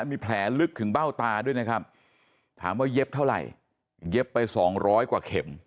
มีแผลลึกถึงเบ้าตาด้วยนะครับถามว่าเย็บเท่าไหร่เย็บไป๒๐๐กว่าเข็ม